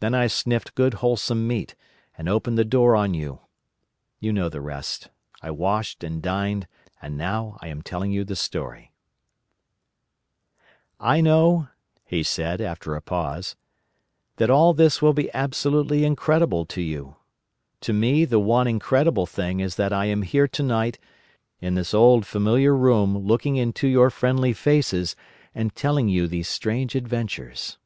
Then I sniffed good wholesome meat, and opened the door on you. You know the rest. I washed, and dined, and now I am telling you the story. XVI. After the Story "I know," he said, after a pause, "that all this will be absolutely incredible to you, but to me the one incredible thing is that I am here tonight in this old familiar room looking into your friendly faces and telling you these strange adventures."